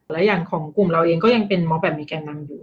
และอย่างของกลุ่มเราเองก็ยังเป็นม็อบแบบมีแก่นำอยู่